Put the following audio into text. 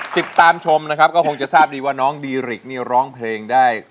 ติดตามชมนะครับก็คงจะทราบดีว่าน้องดีริกนี่ร้องเพลงได้